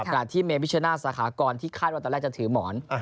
ขณะที่เมมิชน่าสาขากรที่คาดว่าตอนแรกจะถือหมอน